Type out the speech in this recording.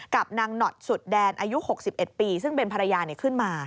กับนางหนอดสุดแดนอายุ๖๑ปีซึ่งเป็นภรรยาขึ้นมา